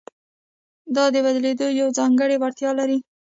دا د بدلېدو یوه ځانګړې وړتیا لري.